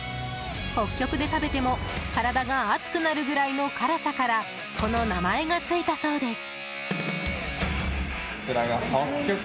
北極で食べても体が熱くなるぐらいの辛さからこの名前がついたそうです。